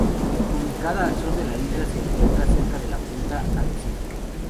Ubicada al sur de la isla, se encuentra cerca de la punta Arrecife.